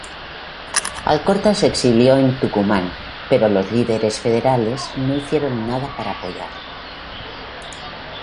Alcorta se exilió en Tucumán pero los líderes federales no hicieron nada para apoyarlo.